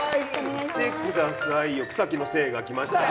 見てくださいよ草木の精が来ましたよ。